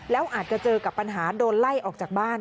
แล้วอาจจะเจอกับปัญหาโดนไล่ออกจากบ้าน